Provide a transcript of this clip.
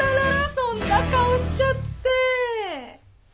そんな顔しちゃって。